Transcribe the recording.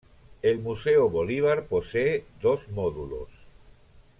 El Museo Bolívar posee dos módulos.